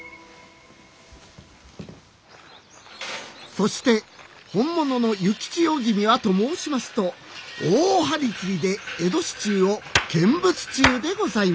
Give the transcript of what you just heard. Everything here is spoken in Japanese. そして本物の幸千代君はと申しますと大張り切りで江戸市中を見物中でございます